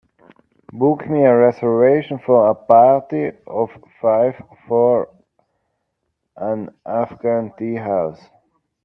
Book me a reservation for a party of five for an afghan tea house